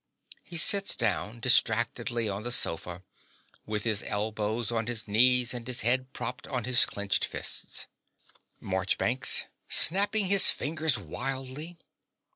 (He sits down distractedly on the sofa, with his elbows on his knees and his head propped on his clenched fists.) MARCHBANKS (snapping his fingers wildly).